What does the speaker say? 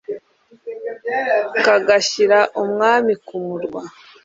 kagashyira umwami ku murwa.